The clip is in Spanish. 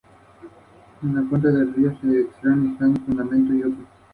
El objetivo es aumentar una civilización construyendo ciudades y controlando tropas.